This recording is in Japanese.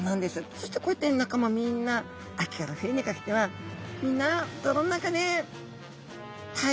そしてこうやって仲間みんな秋から冬にかけては「みんな泥の中で耐えるよ」。